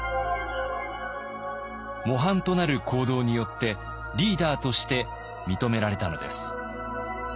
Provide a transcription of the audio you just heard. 模範となる行動によってリーダーとして認められたのです。